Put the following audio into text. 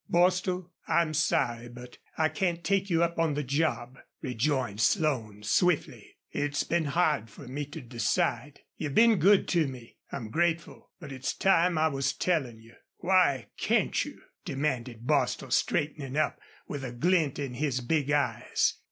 "Bostil, I'm sorry I can't take you up on the job," rejoined Slone, swiftly. "It's been hard for me to decide. You've been good to me. I'm grateful. But it's time I was tellin' you." "Why can't you?" demanded Bostil, straightening up with a glint in his big eyes.